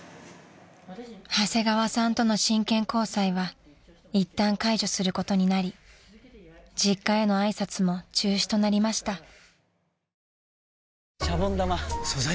［長谷川さんとの真剣交際はいったん解除することになり実家への挨拶も中止となりました］